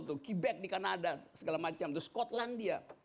quebec di kanada segala macam skotlandia